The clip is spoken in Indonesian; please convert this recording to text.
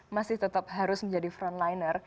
masih tetap harus menjadi frontliner